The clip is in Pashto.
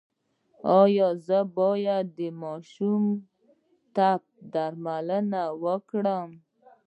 ایا زه باید ماشوم ته د تبې درمل ورکړم؟